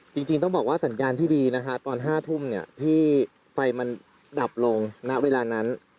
จริงต้องบอกว่าสัญญาณที่ดีนะคะตอน๕ทุ่มเนี่ยที่ไฟมันดับลงณเวลานั้น